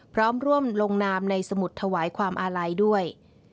พร้อมร่วมลงนามในสมุดถวายความอาลัยด้วย